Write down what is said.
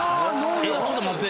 ちょっと待って！